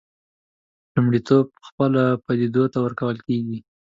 لومړیتوب پخپله پدیدو ته ورکول کېږي.